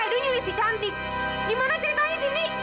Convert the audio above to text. kaido nyelisih cantik gimana ceritanya sindi